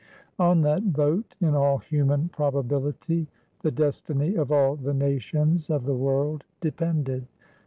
On that vote, in all human probability, the destiny of all the nations of the world depended.